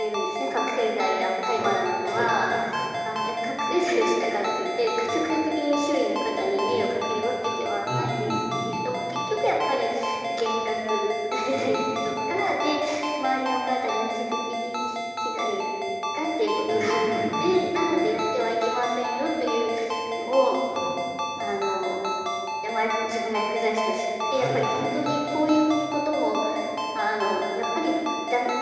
覚醒剤や大麻などは覚醒剤をしたからといって直接的に周囲の方に迷惑をかけるわけではないんですけれども結局やっぱり幻覚が出たりとかで周りの方に２次的に被害がっていうことがあるのでなのでやってはいけませんよというのを自分が薬剤師としてやっぱり本当にこういうことをやっぱり駄目。